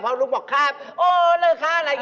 เพราะลุงบอกคราบโอ้เลิกฆ่าอะไร